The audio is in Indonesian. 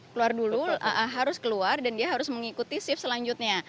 keluar dulu harus keluar dan dia harus mengikuti shift selanjutnya